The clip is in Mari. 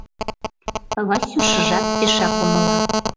Васюшыжат пешак умыла.